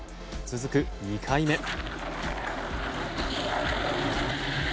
続く２回目。